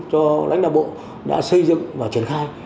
cho lãnh đạo bộ đã xây dựng và triển khai